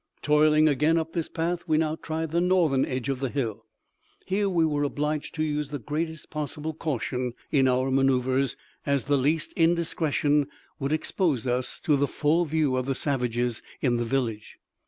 Toiling again up this path, we now tried the northern edge of the hill. Here we were obliged to use the greatest possible caution in our maneuvers, as the least indiscretion would expose us to the full view of the savages in the village.